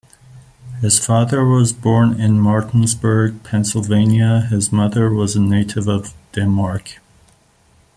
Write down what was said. His father was born in Martinsburg, Pennsylvania; his mother was a native of Denmark.